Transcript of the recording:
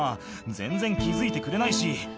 「全然気付いてくれないし」